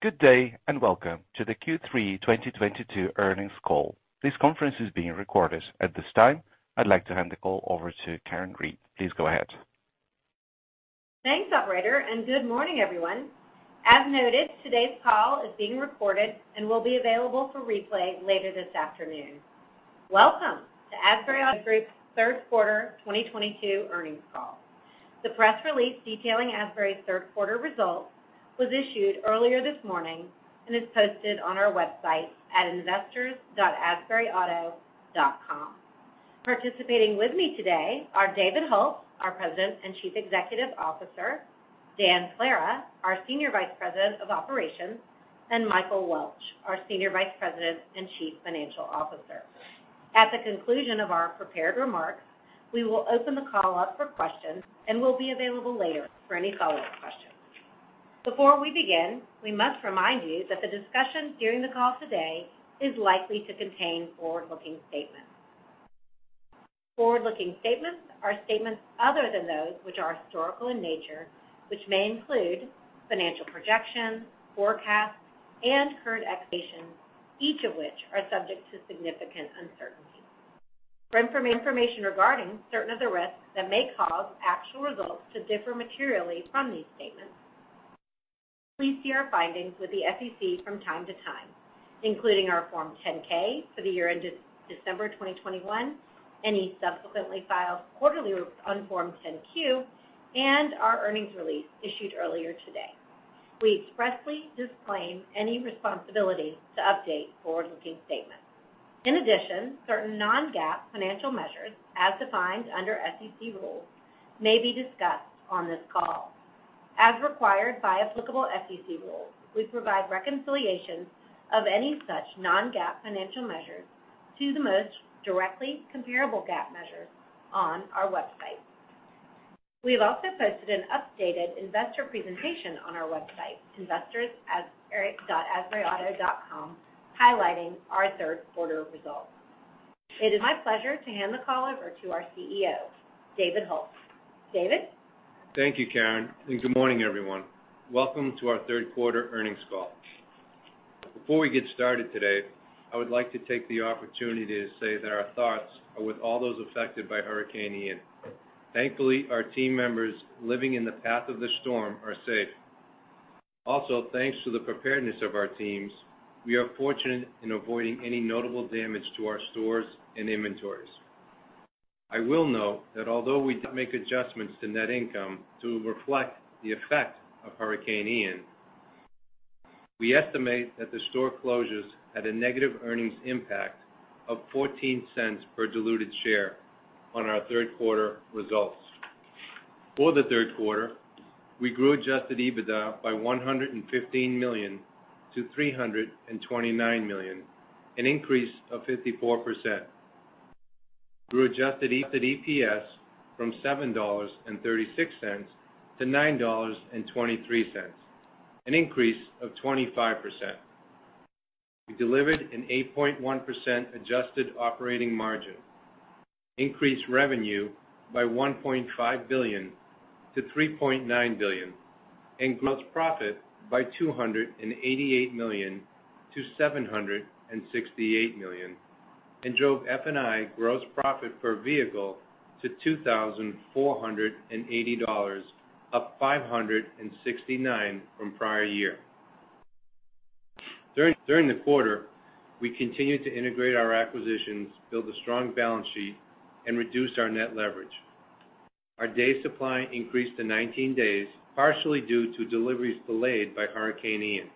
Good day, and welcome to the Q3 2022 earnings call. This conference is being recorded. At this time, I'd like to hand the call over to Karen Reid. Please go ahead. Thanks, operator, and good morning, everyone. As noted, today's call is being recorded and will be available for replay later this afternoon. Welcome to Asbury Automotive Group's third quarter 2022 earnings call. The press release detailing Asbury's third quarter results was issued earlier this morning and is posted on our website at investors.asburyauto.com. Participating with me today are David Hult, our President and Chief Executive Officer, Dan Clara, our Senior Vice President of Operations, and Michael Welch, our Senior Vice President and Chief Financial Officer. At the conclusion of our prepared remarks, we will open the call up for questions, and we'll be available later for any follow-up questions. Before we begin, we must remind you that the discussion during the call today is likely to contain forward-looking statements. Forward-looking statements are statements other than those which are historical in nature, which may include financial projections, forecasts, and current expectations, each of which are subject to significant uncertainty. For information regarding certain of the risks that may cause actual results to differ materially from these statements, please see our filings with the SEC from time to time, including our Form 10-K for the year ended December 2021, any subsequently filed quarterly on Form 10-Q, and our earnings release issued earlier today. We expressly disclaim any responsibility to update forward-looking statements. In addition, certain non-GAAP financial measures as defined under SEC rules may be discussed on this call. As required by applicable SEC rules, we provide reconciliations of any such non-GAAP financial measures to the most directly comparable GAAP measures on our website. We've also posted an updated investor presentation on our website, investors.asburyauto.com, highlighting our third quarter results. It is my pleasure to hand the call over to our CEO, David Hult. David? Thank you, Karen, and good morning, everyone. Welcome to our third quarter earnings call. Before we get started today, I would like to take the opportunity to say that our thoughts are with all those affected by Hurricane Ian. Thankfully, our team members living in the path of the storm are safe. Also, thanks to the preparedness of our teams, we are fortunate in avoiding any notable damage to our stores and inventories. I will note that although we make adjustments to net income to reflect the effect of Hurricane Ian, we estimate that the store closures had a negative earnings impact of $0.14 per diluted share on our third quarter results. For the third quarter, we grew adjusted EBITDA by $115 million to $329 million, an increase of 54%. Grew adjusted EPS from $7.36 to $9.23, an increase of 25%. We delivered an 8.1% adjusted operating margin, increased revenue by $1.5 billion to $3.9 billion, and gross profit by $288 million to $768 million, and drove F&I gross profit per vehicle to $2,480, up $569 from prior year. During the quarter, we continued to integrate our acquisitions, build a strong balance sheet, and reduce our net leverage. Our day supply increased to 19 days, partially due to deliveries delayed by Hurricane Ian,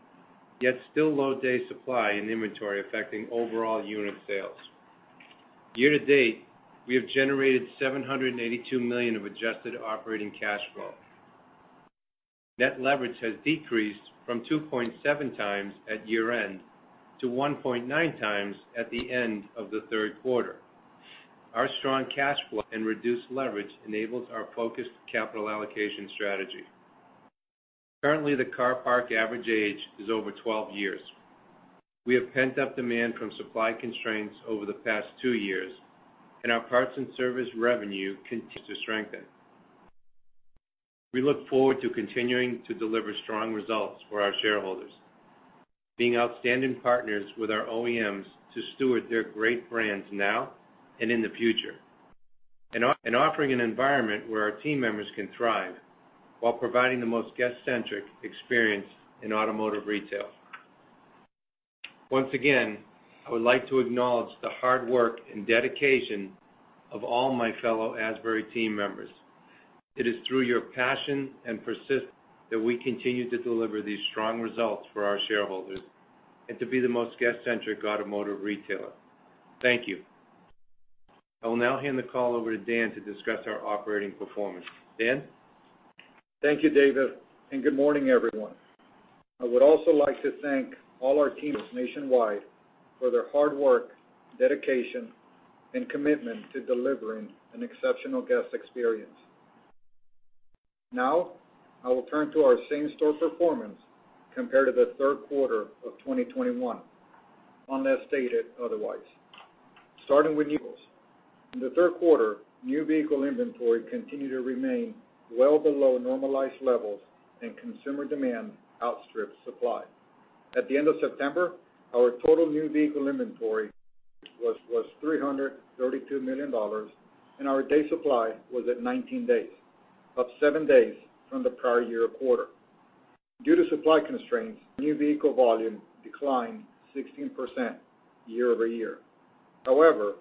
yet still low day supply and inventory affecting overall unit sales. Year-to-date, we have generated $782 million of adjusted operating cash flow. Net leverage has decreased from 2.7x at year-end to 1.9x at the end of the third quarter. Our strong cash flow and reduced leverage enable our focused capital allocation strategy. Currently, the car park average age is over 12 years. We have pent-up demand from supply constraints over the past two years, and our parts and service revenue continues to strengthen. We look forward to continuing to deliver strong results for our shareholders, being outstanding partners with our OEMs to steward their great brands now and in the future, and offering an environment where our team members can thrive while providing the most guest-centric experience in automotive retail. Once again, I would like to acknowledge the hard work and dedication of all my fellow Asbury team members. It is through your passion and persistence that we continue to deliver these strong results for our shareholders and to be the most guest-centric automotive retailer. Thank you. I will now hand the call over to Dan to discuss our operating performance. Dan? Thank you, David, and good morning, everyone. I would also like to thank all our teams nationwide for their hard work, dedication, and commitment to delivering an exceptional guest experience. Now, I will turn to our same-store performance compared to the third quarter of 2021, unless stated otherwise. In the third quarter, new vehicle inventory continued to remain well below normalized levels and consumer demand outstripped supply. At the end of September, our total new vehicle inventory was $332 million, and our day supply was at 19 days, up seven days from the prior year quarter. Due to supply constraints, new vehicle volume declined 16% year-over-year. However,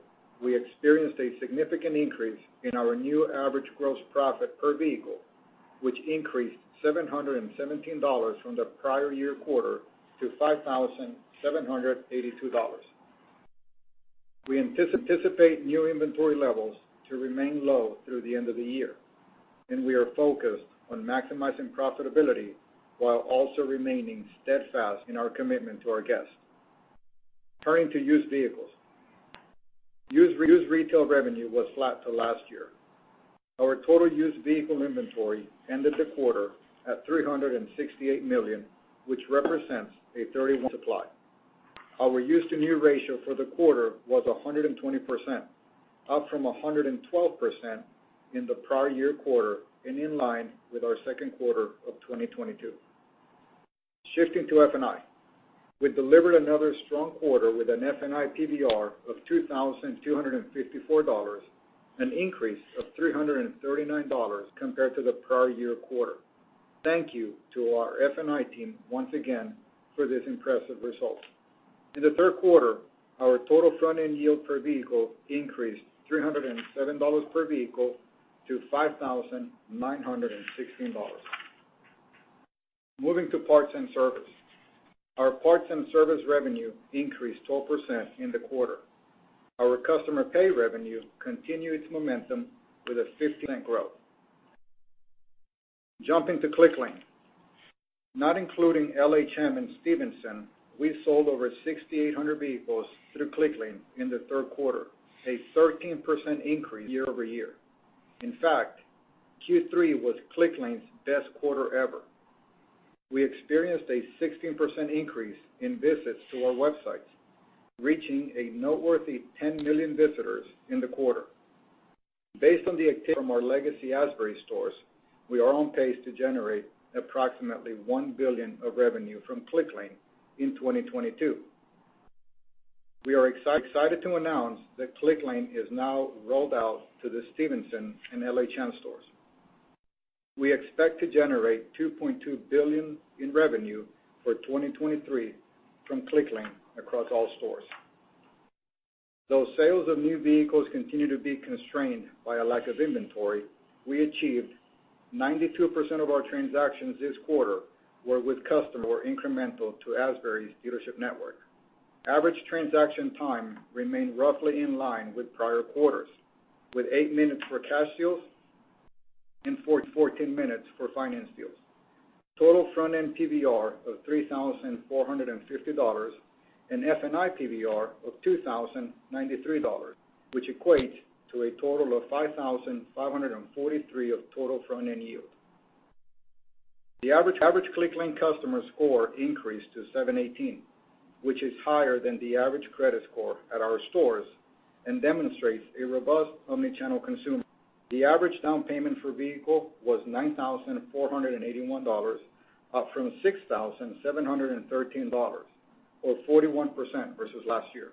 we experienced a significant increase in our new average gross profit per vehicle, which increased $717 from the prior year quarter to $5,782. We anticipate new inventory levels to remain low through the end of the year, and we are focused on maximizing profitability while also remaining steadfast in our commitment to our guests. Turning to used vehicles. Used retail revenue was flat to last year. Our total used vehicle inventory ended the quarter at $368 million, which represents a 31-day supply. Our used-to-new ratio for the quarter was 120%, up from 112% in the prior year quarter and in line with our second quarter of 2022. Shifting to F&I. We've delivered another strong quarter with an F&I PVR of $2,254, an increase of $339 compared to the prior year quarter. Thank you to our F&I team once again for this impressive result. In the third quarter, our total front-end yield per vehicle increased $307 per vehicle to $5,916. Moving to parts and service. Our parts and service revenue increased 12% in the quarter. Our customer pay revenue continued its momentum with a 15% growth. Jumping to Clicklane. Not including LHM and Stevinson, we sold over 6,800 vehicles through Clicklane in the third quarter, a 13% increase year-over-year. In fact, Q3 was Clicklane's best quarter ever. We experienced a 16% increase in visits to our websites, reaching a noteworthy 10 million visitors in the quarter. Based on the activity from our legacy Asbury stores, we are on pace to generate approximately $1 billion of revenue from Clicklane in 2022. We are excited to announce that Clicklane is now rolled out to the Stevinson and LHM stores. We expect to generate $2.2 billion in revenue for 2023 from Clicklane across all stores. Though sales of new vehicles continue to be constrained by a lack of inventory, we achieved 92% of our transactions this quarter were with customers who were incremental to Asbury's dealership network. Average transaction time remained roughly in line with prior quarters, with eight minutes for cash deals and 14 minutes for finance deals. Total front-end PVR of $3,450 and F&I PVR of $2,093, which equates to a total of $5,543 of total front-end yield. The average Clicklane customer score increased to 718, which is higher than the average credit score at our stores and demonstrates a robust omni-channel consumer. The average down payment for vehicle was $9,481, up from $6,713, or 41% versus last year.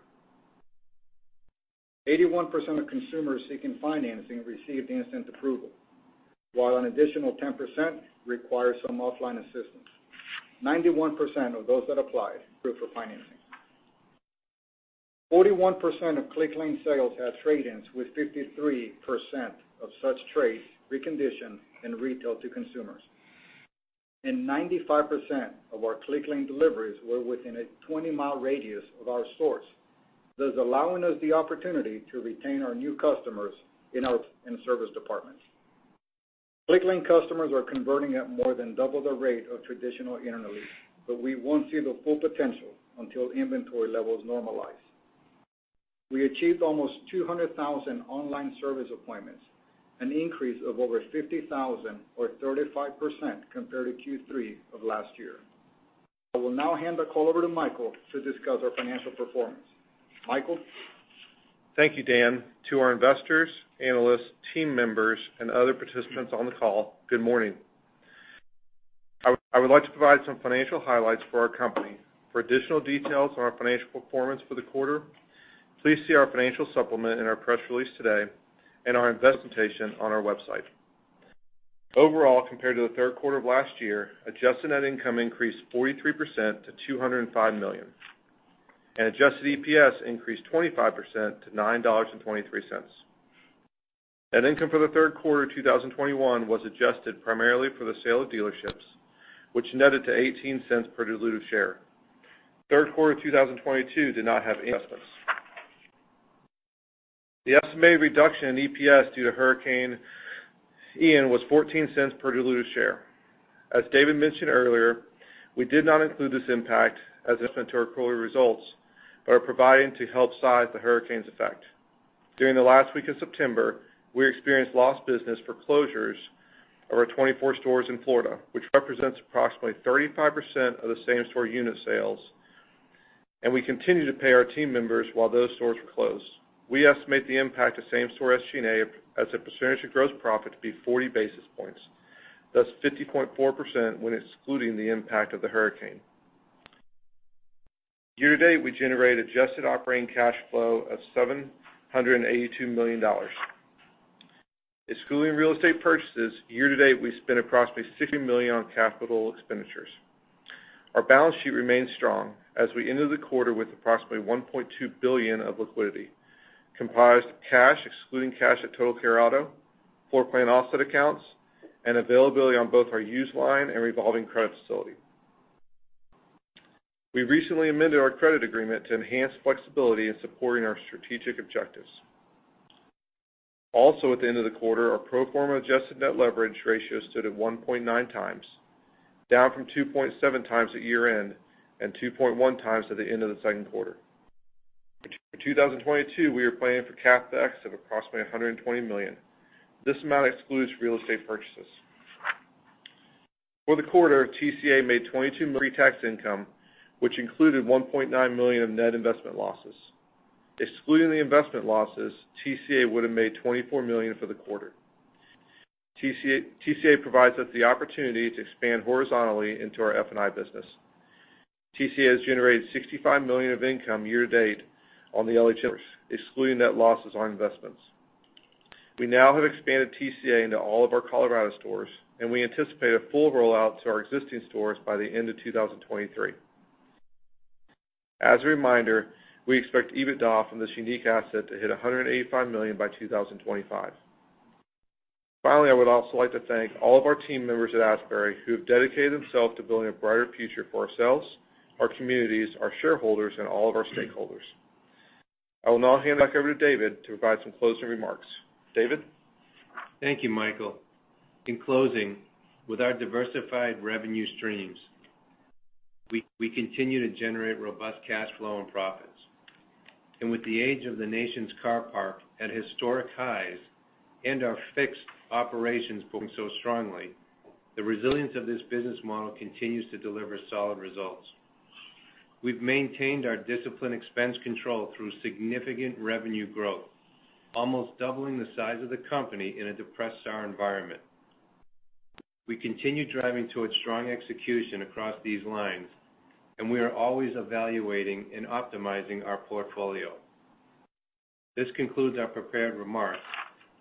81% of consumers seeking financing received instant approval, while an additional 10% required some offline assistance. 91% of those that applied approved for financing. 41% of Clicklane sales had trade-ins, with 53% of such trades reconditioned and retailed to consumers. 95% of our Clicklane deliveries were within a 20 mi radius of our stores, thus allowing us the opportunity to retain our new customers in our parts and service departments. Clicklane customers are converting at more than double the rate of traditional internally, but we won't see the full potential until inventory levels normalize. We achieved almost 200,000 online service appointments, an increase of over 50,000 or 35% compared to Q3 of last year. I will now hand the call over to Michael to discuss our financial performance. Michael? Thank you, Dan. To our investors, analysts, team members, and other participants on the call, good morning. I would like to provide some financial highlights for our company. For additional details on our financial performance for the quarter, please see our financial supplement in our press release today and our investor presentation on our website. Overall, compared to the third quarter of last year, adjusted net income increased 43% to $205 million. Adjusted EPS increased 25% to $9.23. Net income for the third quarter of 2021 was adjusted primarily for the sale of dealerships, which netted to $0.18 per dilutive share. Third quarter 2022 did not have any adjustments. The estimated reduction in EPS due to Hurricane Ian was $0.14 per dilutive share. As David mentioned earlier, we did not include this impact as an adjustment to our quarterly results, but are providing to help size the hurricane's effect. During the last week of September, we experienced lost business for closures of our 24 stores in Florida, which represents approximately 35% of the same-store unit sales. We continue to pay our team members while those stores were closed. We estimate the impact of same-store SG&A as a percentage of gross profit to be 40 basis points, thus 50.4% when excluding the impact of the hurricane. Year-to-date, we generated adjusted operating cash flow of $782 million. Excluding real estate purchases, year-to-date, we spent approximately $60 million on capital expenditures. Our balance sheet remains strong as we ended the quarter with approximately $1.2 billion of liquidity comprised of cash, excluding cash at Total Care Auto, floorplan offset accounts, and availability on both our used line and revolving credit facility. We recently amended our credit agreement to enhance flexibility in supporting our strategic objectives. Also, at the end of the quarter, our pro forma adjusted net leverage ratio stood at 1.9x, down from 2.7x at year-end and 2.1x at the end of the second quarter. For 2022, we are planning for CapEx of approximately $120 million. This amount excludes real estate purchases. For the quarter, TCA made $22 million pre-tax income, which included $1.9 million of net investment losses. Excluding the investment losses, TCA would have made $24 million for the quarter. TCA provides us the opportunity to expand horizontally into our F&I business. TCA has generated $65 million of income year-to-date on the Larry H. Miller stores, excluding net losses on investments. We now have expanded TCA into all of our Colorado stores, and we anticipate a full rollout to our existing stores by the end of 2023. As a reminder, we expect EBITDA from this unique asset to hit $185 million by 2025. Finally, I would also like to thank all of our team members at Asbury who have dedicated themselves to building a brighter future for ourselves, our communities, our shareholders, and all of our stakeholders. I will now hand back over to David to provide some closing remarks. David? Thank you, Michael. In closing, with our diversified revenue streams, we continue to generate robust cash flow and profits. With the age of the nation's car park at historic highs and our fixed operations performing so strongly, the resilience of this business model continues to deliver solid results. We've maintained our disciplined expense control through significant revenue growth, almost doubling the size of the company in a depressed car environment. We continue driving towards strong execution across these lines, and we are always evaluating and optimizing our portfolio. This concludes our prepared remarks.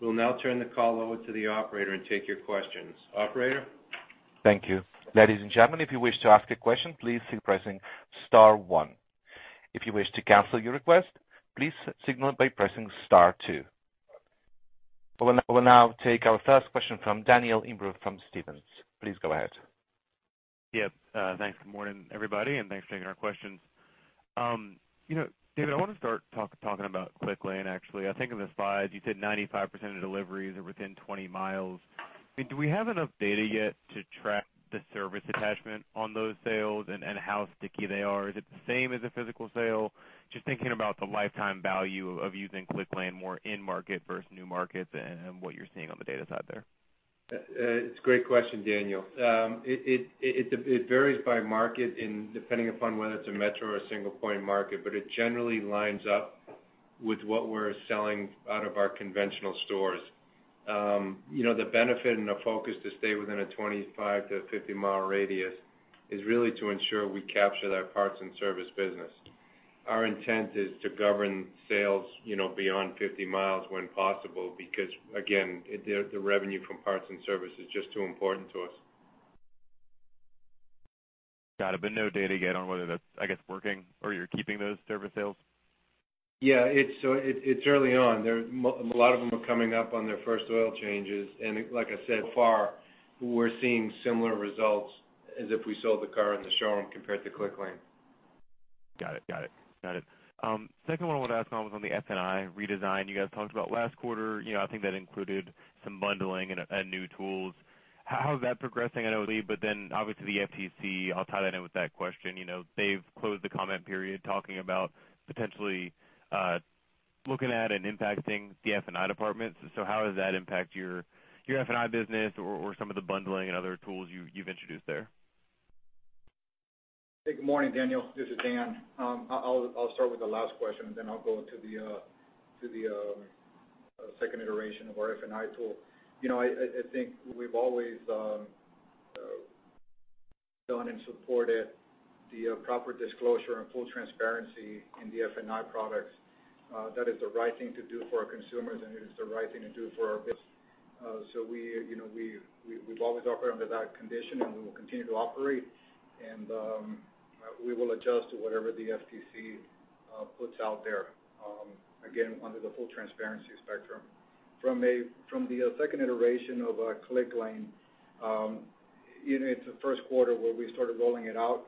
We'll now turn the call over to the operator and take your questions. Operator? Thank you. Ladies and gentlemen, if you wish to ask a question, please keep pressing star one. If you wish to cancel your request, please signal by pressing star two. We'll now take our first question from Daniel Imbro from Stephens. Please go ahead. Yep. Thanks. Good morning, everybody, and thanks for taking our questions. You know, David, I want to start talking about Clicklane, actually. I think in the slides, you said 95% of deliveries are within 20 mi. I mean, do we have enough data yet to track the service attachment on those sales and how sticky they are? Is it the same as a physical sale? Just thinking about the lifetime value of using Clicklane more in market versus new markets and what you're seeing on the data side there. It's a great question, Daniel. It varies by market and depending upon whether it's a metro or a single point market, but it generally lines up with what we're selling out of our conventional stores. You know, the benefit and the focus to stay within a 25 mi-50 mi radius is really to ensure we capture that parts and service business. Our intent is to govern sales, you know, beyond 50 mi when possible, because again, the revenue from parts and service is just too important to us. Got it. No data yet on whether that's, I guess, working or you're keeping those service sales? Yeah. It's early on. A lot of them are coming up on their first oil changes. Like I said, so far, we're seeing similar results as if we sold the car in the showroom compared to Clicklane. Got it. Second one I wanted to ask on was on the F&I redesign you guys talked about last quarter. You know, I think that included some bundling and new tools. How is that progressing? I know it's early, but then obviously the FTC, I'll tie that in with that question. You know, they've closed the comment period talking about potentially looking at and impacting the F&I departments. So how does that impact your F&I business or some of the bundling and other tools you've introduced there? Hey, good morning, Daniel. This is Dan. I'll start with the last question, and then I'll go to the second iteration of our F&I tool. You know, I think we've always done and supported the proper disclosure and full transparency in the F&I products. That is the right thing to do for our consumers, and it is the right thing to do for our business. We, you know, we've always operated under that condition, and we will continue to operate. We will adjust to whatever the FTC puts out there, again, under the full transparency spectrum. From the second iteration of Clicklane, you know, it's the first quarter where we started rolling it out.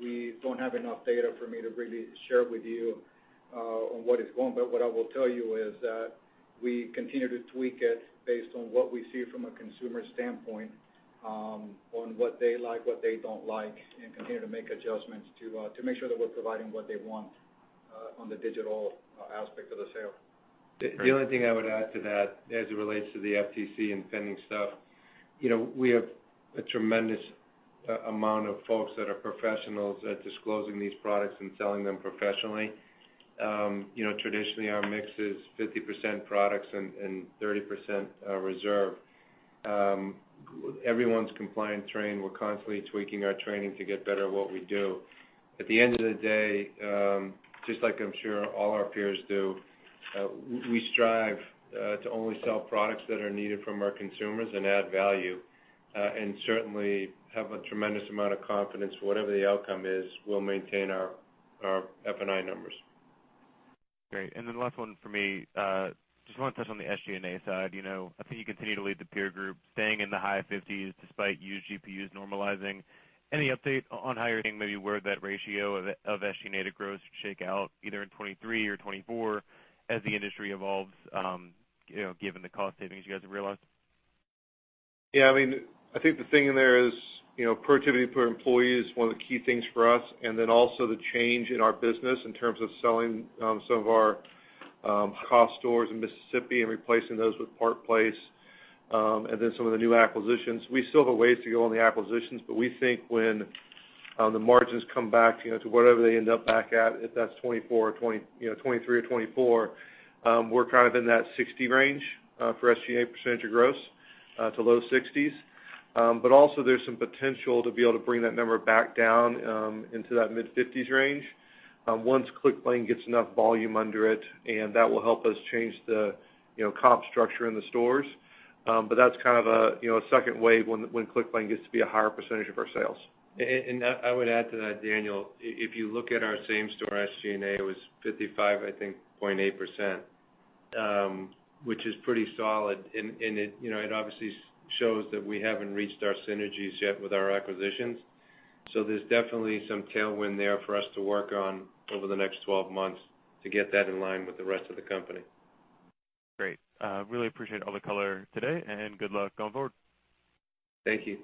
We don't have enough data for me to really share with you on what is going. What I will tell you is that we continue to tweak it based on what we see from a consumer standpoint on what they like, what they don't like, and continue to make adjustments to make sure that we're providing what they want. On the digital aspect of the sale. The only thing I would add to that as it relates to the FTC and pending stuff, you know, we have a tremendous amount of folks that are professionals at disclosing these products and selling them professionally. You know, traditionally, our mix is 50% products and 30% reserve. Everyone's compliant trained. We're constantly tweaking our training to get better at what we do. At the end of the day, just like I'm sure all our peers do, we strive to only sell products that are needed from our consumers and add value, and certainly have a tremendous amount of confidence. Whatever the outcome is, we'll maintain our F&I numbers. Great. Last one for me. Just wanna touch on the SG&A side. You know, I think you continue to lead the peer group, staying in the high 50s despite used GPUs normalizing. Any update on hiring, maybe where that ratio of SG&A to gross shake out either in 2023 or 2024 as the industry evolves, you know, given the cost savings you guys have realized? Yeah. I mean, I think the thing in there is, you know, productivity per employee is one of the key things for us. The change in our business in terms of selling some of our cost stores in Mississippi and replacing those with Park Place and then some of the new acquisitions. We still have a ways to go on the acquisitions, but we think when the margins come back, you know, to whatever they end up back at, if that's 2024 or 2025, you know, 2023 or 2024, we're kind of in that 60 range for SG&A percentage of gross to low-60s. Also, there's some potential to be able to bring that number back down into that mid-50s range once Clicklane gets enough volume under it, and that will help us change the, you know, comp structure in the stores. That's kind of a, you know, a second wave when Clicklane gets to be a higher percentage of our sales. I would add to that, Daniel. If you look at our same store SG&A, it was 55.8%, which is pretty solid. You know, it obviously shows that we haven't reached our synergies yet with our acquisitions. There's definitely some tailwind there for us to work on over the next 12 months to get that in line with the rest of the company. Great. Really appreciate all the color today, and good luck going forward. Thank you.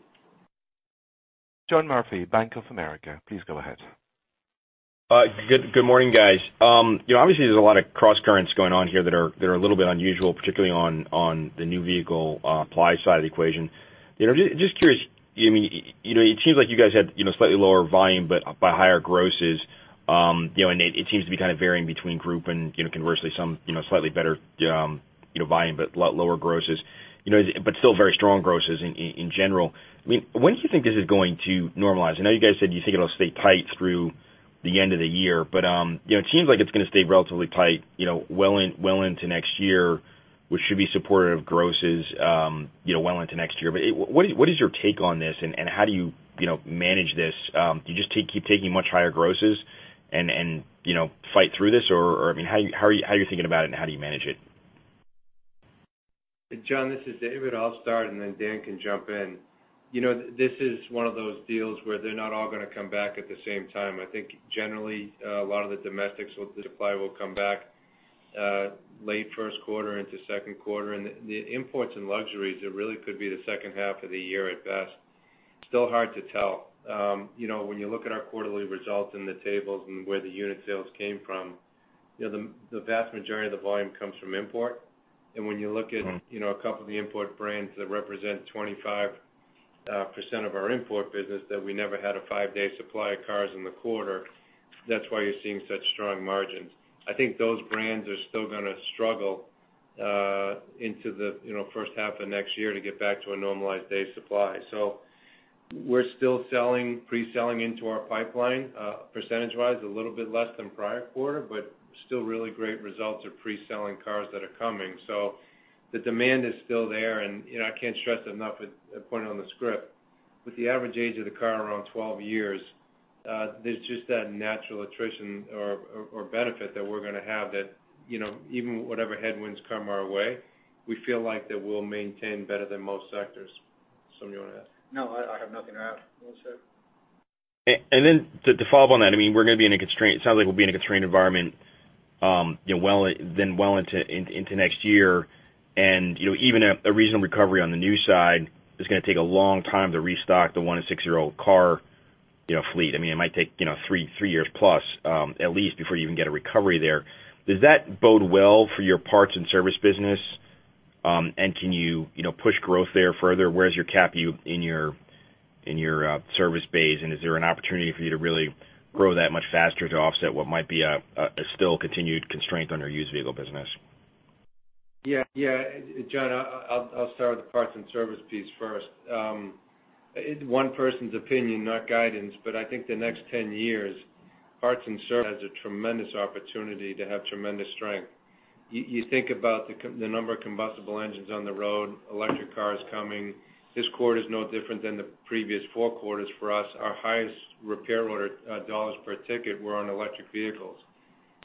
John Murphy, Bank of America, please go ahead. Good morning, guys. You know, obviously there's a lot of crosscurrents going on here that are a little bit unusual, particularly on the new vehicle supply side of the equation. You know, just curious, I mean, you know, it seems like you guys had, you know, slightly lower volume, but higher grosses, you know, and it seems to be kind of varying between group and, you know, conversely some, you know, slightly better, you know, volume, but a lot lower grosses, you know, but still very strong grosses in general. I mean, when do you think this is going to normalize? I know you guys said you think it'll stay tight through the end of the year, but you know, it seems like it's gonna stay relatively tight, you know, well into next year, which should be supportive of grosses, you know, well into next year. What is your take on this, and how do you manage this? Do you just keep taking much higher grosses and you know, fight through this? Or I mean, how are you thinking about it and how do you manage it? John, this is David. I'll start, and then Dan can jump in. You know, this is one of those deals where they're not all gonna come back at the same time. I think generally, a lot of the domestics with the supply will come back, late first quarter into second quarter. The imports and luxuries, it really could be the second half of the year at best. Still hard to tell. You know, when you look at our quarterly results in the tables and where the unit sales came from, you know, the vast majority of the volume comes from import. When you look at- Mm-hmm. You know, a couple of the import brands that represent 25% of our import business that we never had a five-day supply of cars in the quarter, that's why you're seeing such strong margins. I think those brands are still gonna struggle into the, you know, first half of next year to get back to a normalized day supply. So we're still selling, pre-selling into our pipeline, percentage-wise a little bit less than prior quarter, but still really great results of pre-selling cars that are coming. So the demand is still there. You know, I can't stress it enough at point on the script. With the average age of the car around 12 years, there's just that natural attrition or benefit that we're gonna have that, you know, even whatever headwinds come our way, we feel like that we'll maintain better than most sectors. Do you wanna add? No, I have nothing to add. You wanna say it? To follow up on that, I mean, we're gonna be in a constrained environment. It sounds like we'll be in a constrained environment, you know, well into next year. Even a reasonable recovery on the new side is gonna take a long time to restock the one to six year old car fleet. I mean, it might take, you know, 3+ years, at least before you even get a recovery there. Does that bode well for your parts and service business? Can you know, push growth there further? Where's your capacity in your service base? Is there an opportunity for you to really grow that much faster to offset what might be a still continued constraint on your used vehicle business? Yeah. Yeah. John, I'll start with the parts and service piece first. It's one person's opinion, not guidance, but I think the next 10 years, parts and service has a tremendous opportunity to have tremendous strength. You think about the number of combustible engines on the road, electric cars coming. This quarter is no different than the previous four quarters for us. Our highest repair order dollars per ticket were on electric vehicles.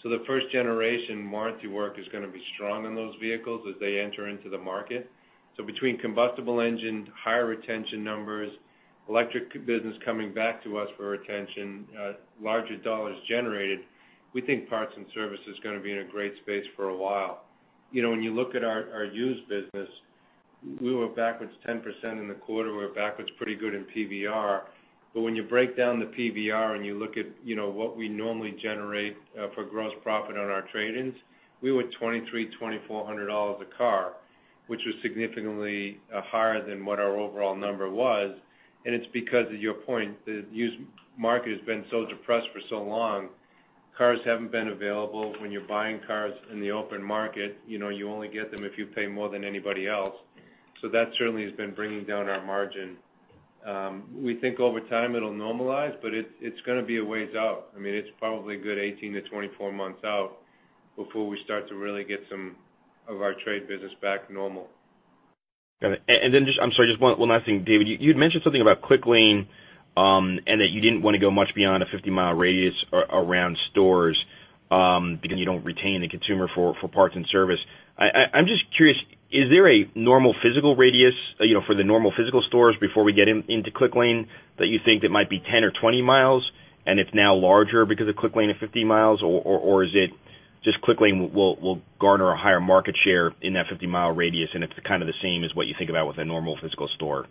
So, the first-generation warranty work is gonna be strong in those vehicles as they enter into the market. So, between combustible engine, higher retention numbers, electric business coming back to us for retention, larger dollars generated, we think parts and service is gonna be in a great space for a while. You know, when you look at our used business. We were back 10% in the quarter. We were backwards pretty good in PVR. When you break down the PVR and you look at, you know, what we normally generate for gross profit on our trade-ins, we were $2,300-$2,400 a car, which was significantly higher than what our overall number was. It's because, to your point, the used market has been so depressed for so long. Cars haven't been available. When you're buying cars in the open market, you know, you only get them if you pay more than anybody else. That certainly has been bringing down our margin. We think over time it'll normalize, but it's gonna be a ways out. I mean, it's probably a good 18-24 months out before we start to really get some of our trade business back normal. Got it. Just, I'm sorry, just one last thing. David, you'd mentioned something about Clicklane, and that you didn't want to go much beyond a 50 mi radius around stores, because you don't retain the consumer for parts and service. I'm just curious, is there a normal physical radius, you know, for the normal physical stores before we get into Clicklane that you think that might be 10 mi or 20 mi, and it's now larger because of Clicklane at 50 mi? Or is it just Clicklane will garner a higher market share in that 50 mi radius, and it's kind of the same as what you think about with a normal physical store?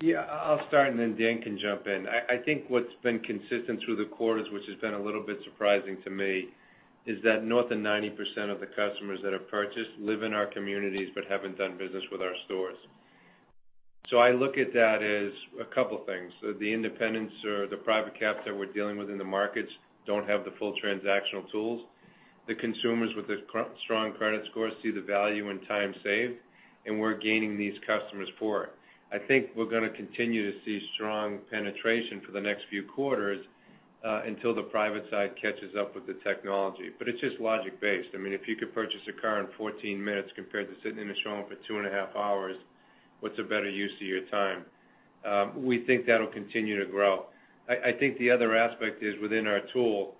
Yeah, I'll start and then Dan can jump in. I think what's been consistent through the quarters, which has been a little bit surprising to me, is that north of 90% of the customers that have purchased live in our communities but haven't done business with our stores. I look at that as a couple things. The independents or the private caps that we're dealing with in the markets don't have the full transactional tools. The consumers with the strong credit scores see the value and time saved, and we're gaining these customers for it. I think we're gonna continue to see strong penetration for the next few quarters, until the private side catches up with the technology. It's just logic-based. I mean, if you could purchase a car in 14 minutes compared to sitting in a showroom for two and half hours, what's a better use of your time? We think that'll continue to grow. I think the other aspect is within our tool.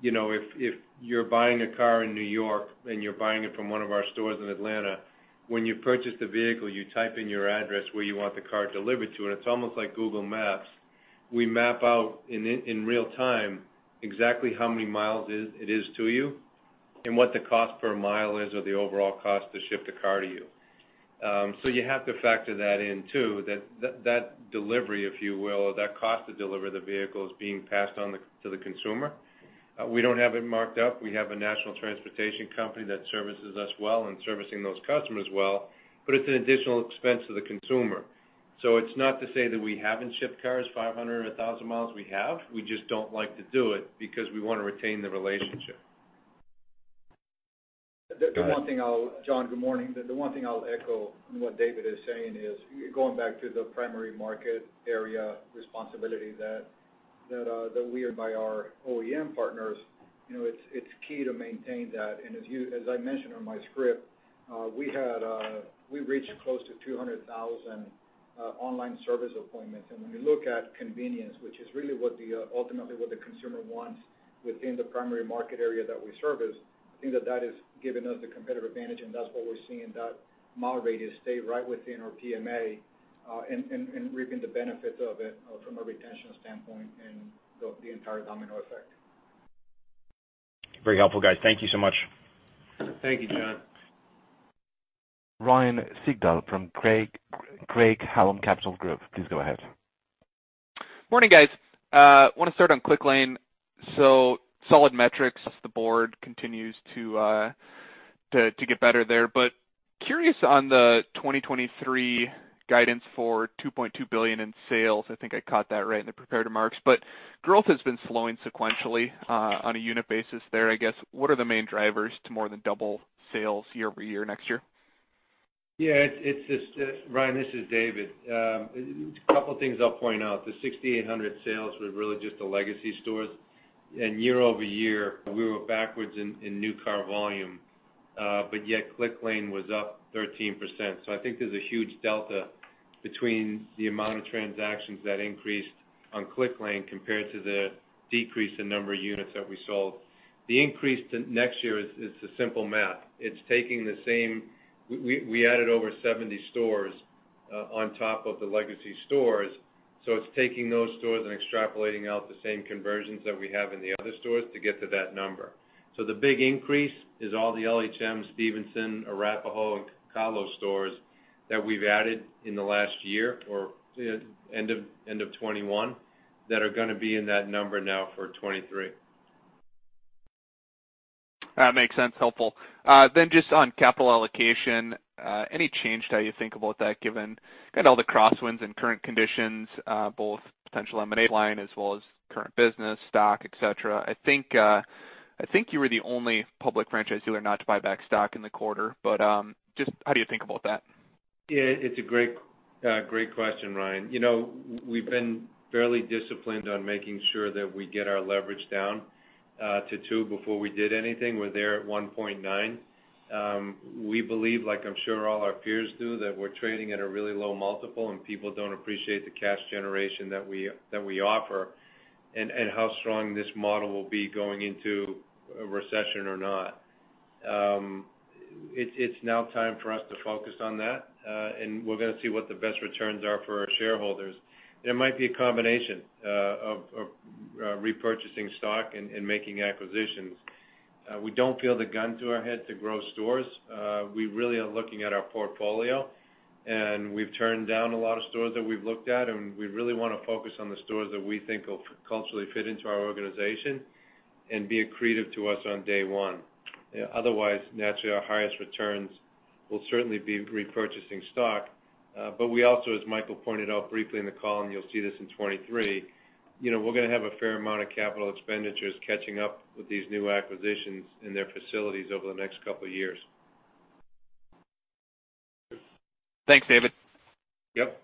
You know, if you're buying a car in New York and you're buying it from one of our stores in Atlanta, when you purchase the vehicle, you type in your address where you want the car delivered to, and it's almost like Google Maps. We map out in real-time exactly how many miles it is to you and what the cost per mile is or the overall cost to ship the car to you. So you have to factor that in too, that delivery, if you will, or that cost to deliver the vehicle is being passed on to the consumer. We don't have it marked up. We have a national transportation company that services us well and servicing those customers well, but it's an additional expense to the consumer. It's not to say that we haven't shipped cars 500 mi or 1,000 mi. We have. We just don't like to do it because we want to retain the relationship. John, good morning. The one thing I'll echo on what David is saying is going back to the primary market area responsibility that we are by our OEM partners. You know, it's key to maintain that. As you as I mentioned on my script, we reached close to 200,000 online service appointments. When we look at convenience, which is really what ultimately what the consumer wants within the primary market area that we service, I think that has given us a competitive advantage, and that's what we're seeing in that mile radius stay right within our PMA, and reaping the benefits of it from a retention standpoint and the entire domino effect. Very helpful, guys. Thank you so much. Thank you, John. Ryan Sigdahl from Craig-Hallum Capital Group, please go ahead. Morning, guys. Want to start on Clicklane. Solid metrics as the brand continues to get better there. Curious on the 2023 guidance for $2.2 billion in sales. I think I caught that right in the prepared remarks. Growth has been slowing sequentially, on a unit basis there, I guess. What are the main drivers to more than double sales year-over-year next year? Yeah, it's just Ryan, this is David. A couple things I'll point out. The 6,800 sales were really just the legacy stores. Year-over-year, we were backwards in new car volume, but yet Clicklane was up 13%. I think there's a huge delta between the amount of transactions that increased on Clicklane compared to the decrease in number of units that we sold. The increase to next year is simple math. It's taking the same. We added over 70 stores on top of the legacy stores. It's taking those stores and extrapolating out the same conversions that we have in the other stores to get to that number. The big increase is all the LHM, Stevinson, Arapahoe, and Koons stores that we've added in the last year or end of 2021 that are gonna be in that number now for 2023. That makes sense. Helpful. Just on capital allocation, any change to how you think about that given kind of all the crosswinds and current conditions, both potential M&A line as well as current business, stock, et cetera? I think you were the only public franchisor not to buy back stock in the quarter, but just how do you think about that? Yeah, it's a great question, Ryan. You know, we've been fairly disciplined on making sure that we get our leverage down to 2x before we did anything. We're there at 1.9x. We believe, like I'm sure all our peers do, that we're trading at a really low multiple, and people don't appreciate the cash generation that we offer and how strong this model will be going into a recession or not. It's now time for us to focus on that, and we're gonna see what the best returns are for our shareholders. There might be a combination of repurchasing stock and making acquisitions. We don't feel the gun to our head to grow stores. We really are looking at our portfolio, and we've turned down a lot of stores that we've looked at, and we really wanna focus on the stores that we think will culturally fit into our organization and be accretive to us on day one. Otherwise, naturally, our highest returns will certainly be repurchasing stock. We also, as Michael pointed out briefly in the call, and you'll see this in 2023, you know, we're gonna have a fair amount of capital expenditures catching up with these new acquisitions and their facilities over the next couple of years. Thanks, David. Yep.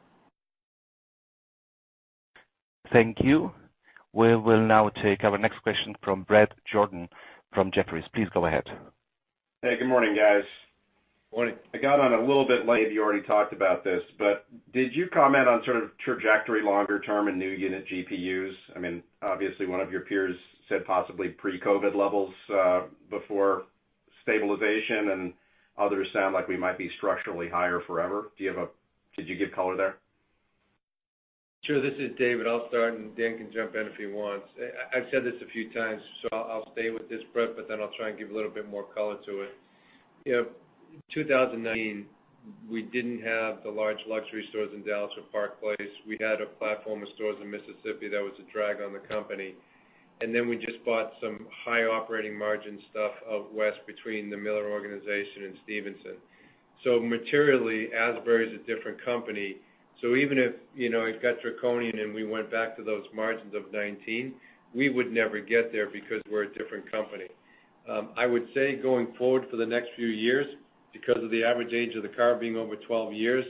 Thank you. We will now take our next question from Bret Jordan from Jefferies. Please go ahead. Hey, good morning, guys. Morning. I got on a little bit late. You already talked about this, but did you comment on sort of trajectory longer term and new unit GPUs? I mean, obviously one of your peers said possibly pre-COVID levels before stabilization and others sound like we might be structurally higher forever. Did you give color there? Sure. This is David. I'll start, and Dan can jump in if he wants. I've said this a few times, so I'll stay with this, Bret, but then I'll try and give a little bit more color to it. You know, 2019, we didn't have the large luxury stores in Dallas or Park Place. We had a platform of stores in Mississippi that was a drag on the company. Then we just bought some high operating margin stuff out west between the Miller organization and Stevinson. Materially, Asbury is a different company. Even if, you know, it got draconian and we went back to those margins of 2019, we would never get there because we're a different company. I would say going forward for the next few years because of the average age of the car being over 12 years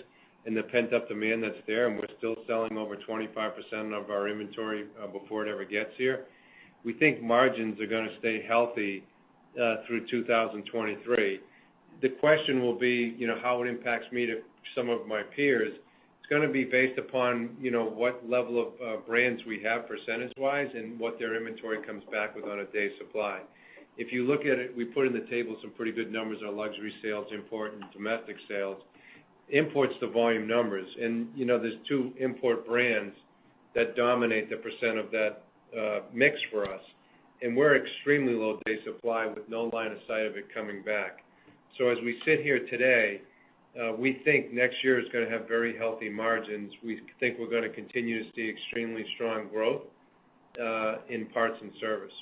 and the pent-up demand that's there, and we're still selling over 25% of our inventory before it ever gets here, we think margins are gonna stay healthy through 2023. The question will be, you know, how it impacts me and some of my peers. It's gonna be based upon, you know, what level of brands we have percentage-wise and what their inventory comes back with on a days supply. If you look at it, we put in the table some pretty good numbers on luxury sales, import, and domestic sales. Imports, the volume numbers. You know, there's two import brands that dominate the percent of that, mix for us, and we're extremely low day supply with no line of sight of it coming back. As we sit here today, we think next year is gonna have very healthy margins. We think we're gonna continue to see extremely strong growth, in parts and service.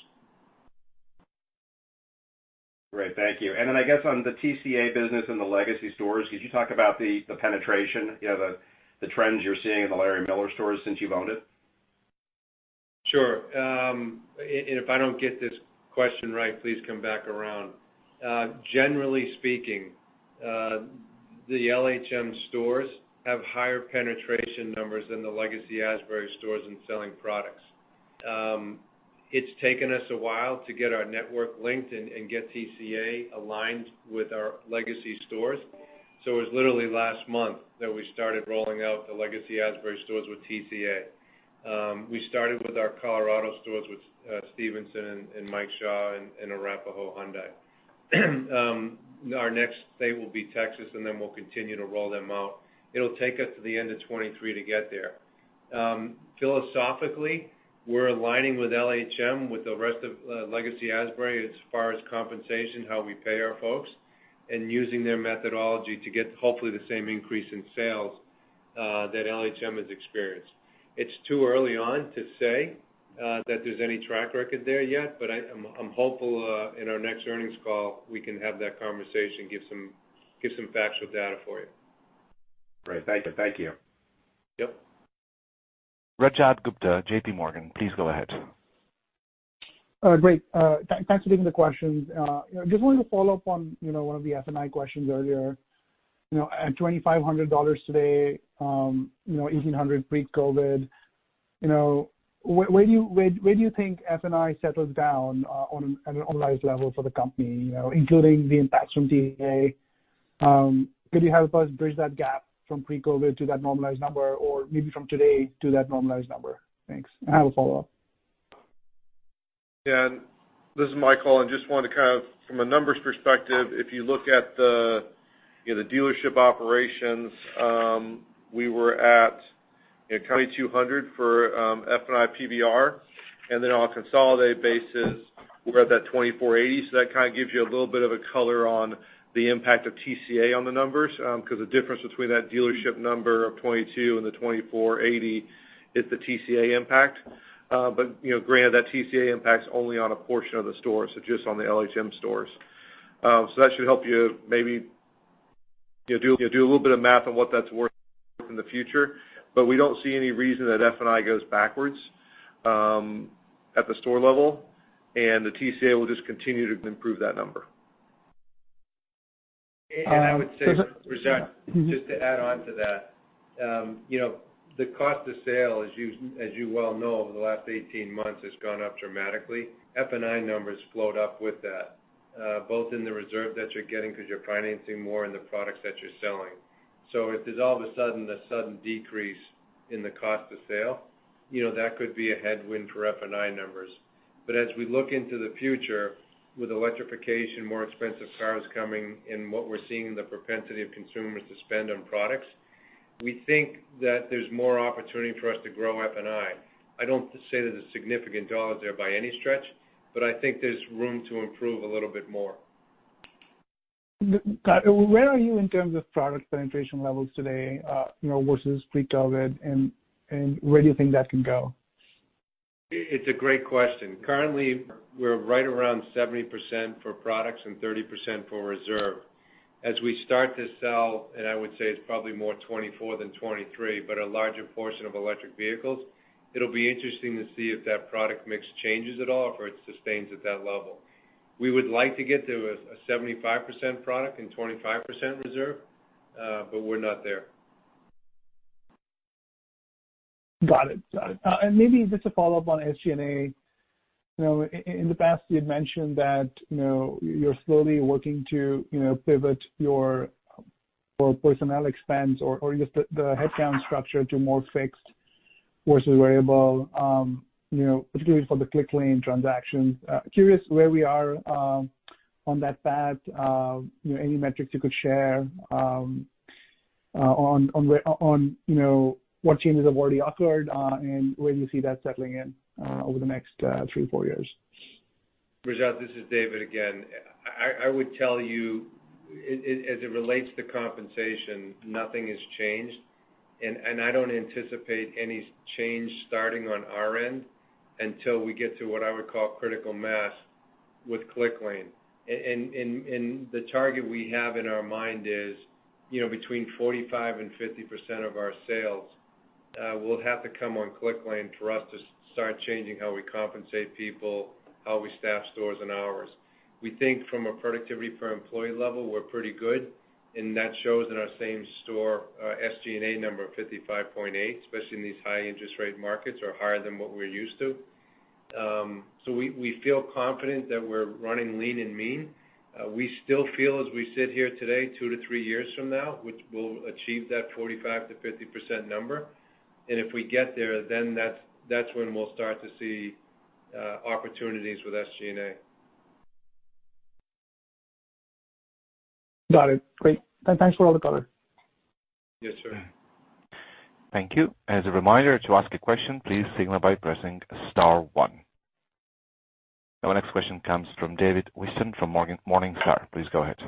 Great. Thank you. I guess on the TCA business and the legacy stores, could you talk about the penetration, you know, the trends you're seeing in the Larry H. Miller stores since you've owned it? Sure. If I don't get this question right, please come back around. Generally speaking, the LHM stores have higher penetration numbers than the legacy Asbury stores in selling products. It's taken us a while to get our network linked and get TCA aligned with our legacy stores. It was literally last month that we started rolling out the legacy Asbury stores with TCA. We started with our Colorado stores with Stevinson and Mike Shaw and Arapahoe Hyundai. Our next state will be Texas, and then we'll continue to roll them out. It'll take us to the end of 2023 to get there. Philosophically, we're aligning with LHM with the rest of legacy Asbury as far as compensation, how we pay our folks, and using their methodology to get hopefully the same increase in sales that LHM has experienced. It's too early on to say that there's any track record there yet, but I'm hopeful in our next earnings call, we can have that conversation, give some factual data for you. Great. Thank you. Thank you. Yep. Rajat Gupta, JPMorgan, please go ahead. Great. Thanks for taking the questions. You know, just wanted to follow up on, you know, one of the F&I questions earlier. You know, at $2,500 today, you know, $1,800 pre-COVID, you know, where do you think F&I settles down on a normalized level for the company, you know, including the impact from TCA? Could you help us bridge that gap from pre-COVID to that normalized number or maybe from today to that normalized number? Thanks. I have a follow-up. Dan, this is Michael. I just wanted to kind of from a numbers perspective, if you look at you know the dealership operations, we were at you know $2,200 for F&I PVR, and then on a consolidated basis, we're at that $2,480. That kinda gives you a little bit of a color on the impact of TCA on the numbers 'cause the difference between that dealership number of $2,200 and the $2,480 is the TCA impact. You know granted that TCA impact's only on a portion of the store, so just on the LHM stores. That should help you maybe you know do a little bit of math on what that's worth in the future. We don't see any reason that F&I goes backwards at the store level, and the TCA will just continue to improve that number. I would say, Rajat- Mm-hmm. Just to add on to that, you know, the cost of sale, as you, as you well know, over the last 18 months has gone up dramatically. F&I numbers float up with that, both in the reserve that you're getting 'cause you're financing more and the products that you're selling. If there's all of a sudden a sudden decrease in the cost of sale, you know, that could be a headwind for F&I numbers. As we look into the future with electrification, more expensive cars coming, and what we're seeing the propensity of consumers to spend on products, we think that there's more opportunity for us to grow F&I. I don't say that there's significant dollars there by any stretch, but I think there's room to improve a little bit more. Got it. Where are you in terms of product penetration levels today, you know, versus pre-COVID, and where do you think that can go? It's a great question. Currently, we're right around 70% for products and 30% for reserve. As we start to sell, and I would say it's probably more 2024 than 2023, but a larger portion of electric vehicles, it'll be interesting to see if that product mix changes at all or it sustains at that level. We would like to get to a 75% product and 25% reserve, but we're not there. Got it. Maybe just a follow-up on SG&A. You know, in the past, you'd mentioned that, you know, you're slowly working to, you know, pivot your personnel expense or just the headcount structure to more fixed versus variable, you know, particularly for the Clicklane transactions. Curious where we are on that path. Any metrics you could share on you know what changes have already occurred and where you see that settling in over the next three, four years. Rajat, this is David again. I would tell you, as it relates to compensation, nothing has changed. I don't anticipate any change starting on our end until we get to what I would call critical mass with Clicklane. The target we have in our mind is, you know, between 45% and 50% of our sales will have to come on Clicklane for us to start changing how we compensate people, how we staff stores and hours. We think from a productivity per employee level, we're pretty good, and that shows in our same store SG&A number of 55.8, especially in these high-interest rate markets are higher than what we're used to. So we feel confident that we're running lean and mean. We still feel as we sit here today, two to three years from now, which we'll achieve that 45%-50% number. If we get there, then that's when we'll start to see opportunities with SG&A. Got it. Great. Thanks for all the color. Yes, sir. Thank you. As a reminder to ask a question, please signal by pressing star one. Our next question comes from David Whiston from Morningstar. Please go ahead.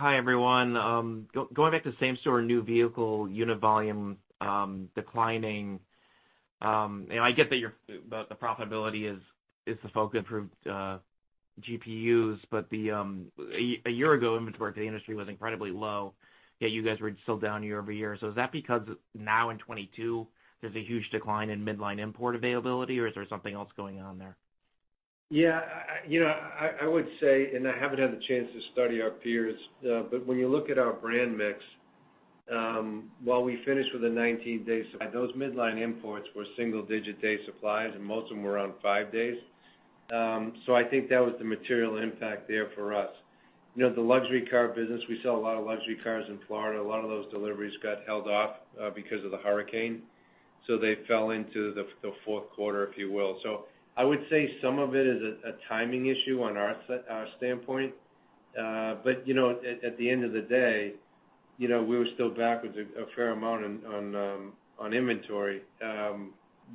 Hi, everyone. Going back to same store, new vehicle unit volume declining. You know, I get that the profitability is the focus for GPUs. But a year ago, inventory, the industry was incredibly low, yet you guys were still down year-over-year. Is that because now in 2022, there's a huge decline in midline import availability or is there something else going on there? Yeah. You know, I would say I haven't had the chance to study our peers, but when you look at our brand mix, while we finish with a 19-day supply, those midline imports were single-digit day supplies, and most of them were around five days. I think that was the material impact there for us. You know, the luxury car business, we sell a lot of luxury cars in Florida. A lot of those deliveries got held off because of the hurricane, so they fell into the fourth quarter, if you will. I would say some of it is a timing issue from our standpoint. But you know, at the end of the day, you know, we were still backwards a fair amount on inventory,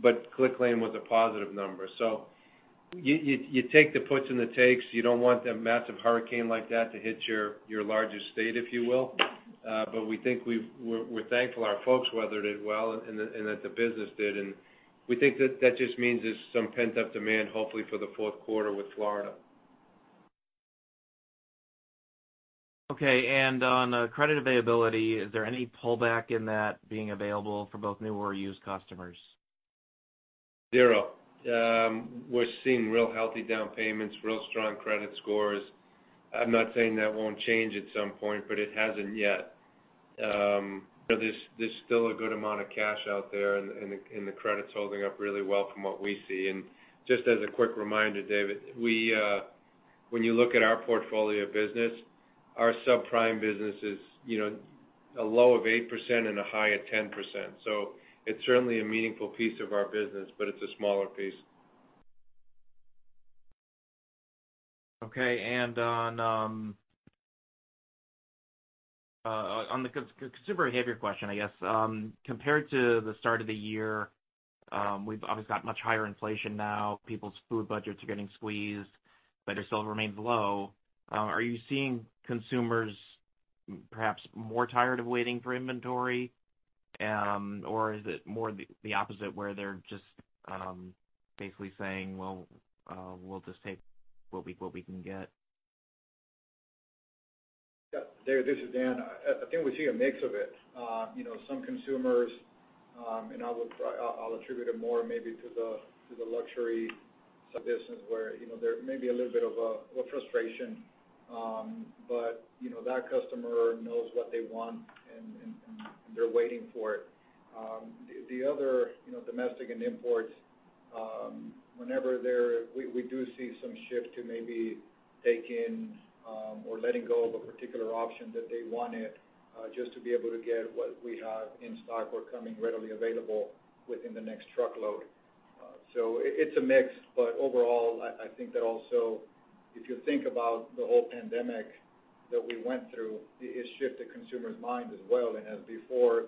but Clicklane was a positive number. You take the puts and the takes. You don't want a massive hurricane like that to hit your largest state, if you will. We think we're thankful our folks weathered it well and that the business did. We think that just means there's some pent-up demand, hopefully for the fourth quarter with Florida. Okay. On credit availability, is there any pullback in that being available for both new or used customers? Zero. We're seeing real healthy down payments, real strong credit scores. I'm not saying that won't change at some point, but it hasn't yet. There's still a good amount of cash out there, and the credit's holding up really well from what we see. Just as a quick reminder, David, when you look at our portfolio business, our subprime business is a low of 8% and a high of 10%. It's certainly a meaningful piece of our business, but it's a smaller piece. Okay. On the consumer behavior question, I guess, compared to the start of the year, we've obviously got much higher inflation now. People's food budgets are getting squeezed, but it still remains low. Are you seeing consumers perhaps more tired of waiting for inventory? Or is it more the opposite where they're just basically saying, "Well, we'll just take what we can get? Yeah. David, this is Dan. I think we see a mix of it. You know, some consumers, and I'll attribute it more maybe to the luxury side of the business where, you know, there may be a little bit of frustration. You know, that customer knows what they want and they're waiting for it. The other, you know, domestic and imports, whenever we do see some shift to maybe take in or letting go of a particular option that they wanted, just to be able to get what we have in stock or coming readily available within the next truckload. It's a mix, but overall, I think that also if you think about the whole pandemic that we went through, it shifted consumers' mind as well. As before,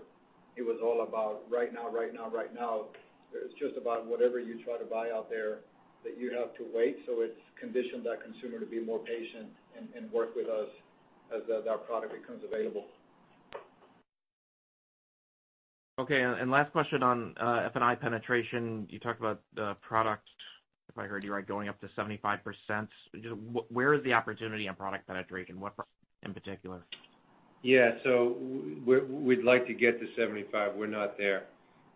it was all about right now, right now, right now. It's just about whatever you try to buy out there that you have to wait. It's conditioned the consumer to be more patient and work with us as our product becomes available. Okay. Last question on F&I penetration. You talked about the product, if I heard you right, going up to 75%. Where is the opportunity on product penetration? What in particular? Yeah. We'd like to get to 75. We're not there.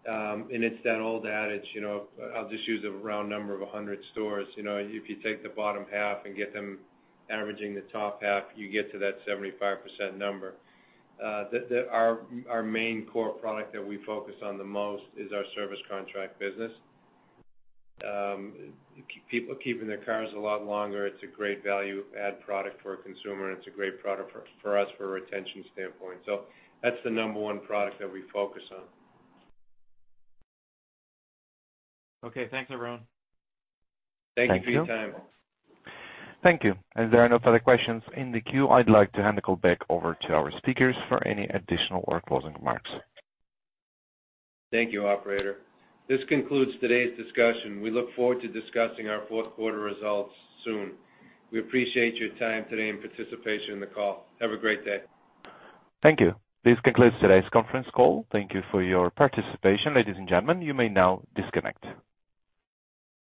It's that old adage, you know, I'll just use a round number of 100 stores. You know, if you take the bottom half and get them averaging the top half, you get to that 75% number. Our main core product that we focus on the most is our service contract business. People keeping their cars a lot longer, it's a great value add product for a consumer, and it's a great product for us from a retention standpoint. That's the number one product that we focus on. Okay. Thanks, everyone. Thank you for your time. Thank you. As there are no further questions in the queue, I'd like to hand the call back over to our speakers for any additional or closing remarks. Thank you, operator. This concludes today's discussion. We look forward to discussing our fourth quarter results soon. We appreciate your time today and participation in the call. Have a great day. Thank you. This concludes today's conference call. Thank you for your participation. Ladies and gentlemen, you may now disconnect.